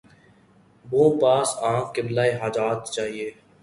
بھَوں پاس آنکھ قبلۂِ حاجات چاہیے